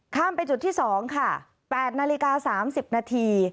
ข้ามไปจุดที่๒ค่ะ๘นาฬิกา๓๐นาที